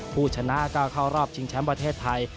ผู้ชนะก็เข้ารอบชิงแชมป์ประเทศไทย